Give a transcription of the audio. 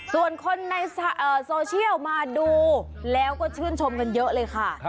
ส่วนคนในโซเชียลมาดูแล้วก็ชื่นชมกันเยอะเลยค่ะ